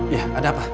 iya ada apa